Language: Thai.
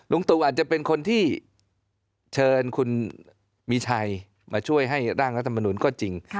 ตู่อาจจะเป็นคนที่เชิญคุณมีชัยมาช่วยให้ร่างรัฐมนุนก็จริง